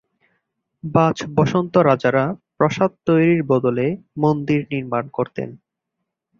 বাজ বসন্ত রাজারা প্রাসাদ তৈরীর বদলে মন্দির নির্মান করতেন।